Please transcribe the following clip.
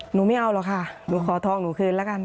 ไม่เอาหรอกค่ะหนูขอทองหนูคืนแล้วกัน